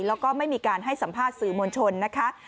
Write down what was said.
แล้วก็ไม่มีการให้สัมภาษณ์สื่อมวลชนนะคะ